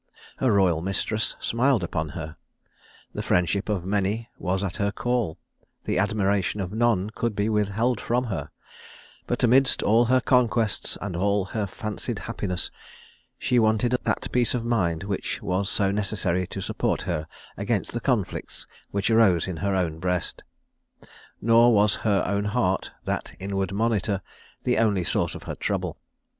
Her royal mistress smiled upon her; the friendship of many was at her call; the admiration of none could be withheld from her: but amidst all her conquests and all her fancied happiness she wanted that peace of mind which was so necessary to support her against the conflicts which arose in her own breast. Nor was her own heart, that inward monitor, the only source of her trouble.